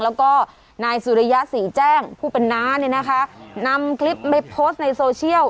แล้วก็นายสุริยะศรีแจ้งผู้เป็นน้าเนี่ยนะคะนำคลิปไปโพสต์ในโซเชียล